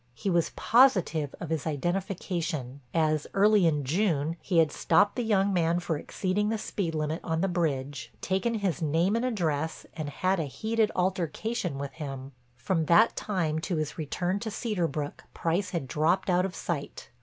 He was positive of his identification, as early in June he had stopped the young man for exceeding the speed limit on the bridge, taken his name and address and had a heated altercation with him. From that time to his return to Cedar Brook Price had dropped out of sight.